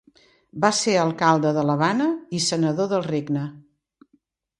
Va ser alcalde de l'Havana i senador del Regne.